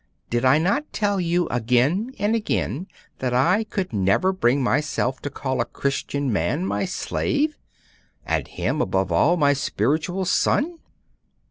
'Did I not tell you again and again that I never could bring myself to call a Christian man my slave? And him, above all, my spiritual son?